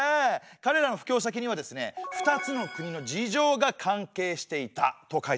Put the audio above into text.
かれらの布教先にはですね２つの国の事情が関係していたと書いてありますね。